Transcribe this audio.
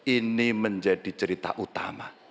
ini menjadi cerita utama